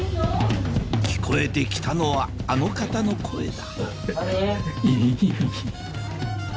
聞こえて来たのはあの方の声だ